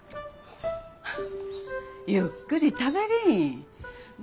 ゆっくり食べりん。